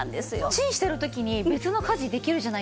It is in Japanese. チンしてる時に別の家事できるじゃないですか。